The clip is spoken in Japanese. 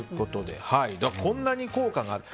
こんなに効果がある。